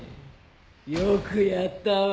よくやったわ。